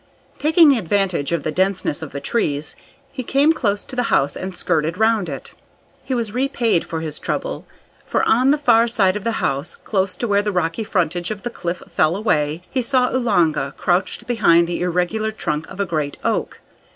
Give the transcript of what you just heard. Taking advantage of the denseness of the trees, he came close to the house and skirted round it. He was repaid for his trouble, for on the far side of the house, close to where the rocky frontage of the cliff fell away, he saw Oolanga crouched behind the irregular trunk of a great oak.